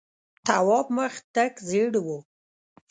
تواب مخ تک ژېړ و.